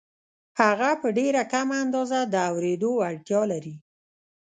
هغه په ډېره کمه اندازه د اورېدو وړتیا لري